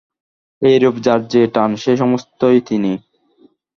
এইরূপ যার যে-টান, সে সমস্তই তিনি।